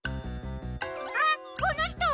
あっこのひとは？